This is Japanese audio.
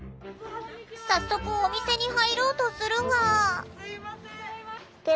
早速お店に入ろうとするが。